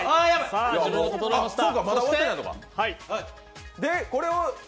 まだ終わってないのか。